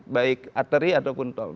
baik atari ataupun tol